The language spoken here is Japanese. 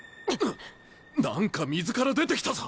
何か水から出てきたぞ！